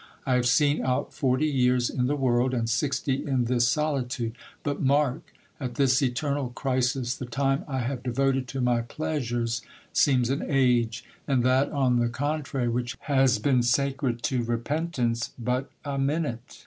I have seen out forty years in the world, and sixty in this solitude. But mark ! At this eternal crisis, the time I have devoted to my pleasures seems an age, and that on the contrary which has been sacred to repentance, but a minute